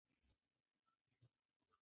دا د زړه له کومې یوه دعا وه.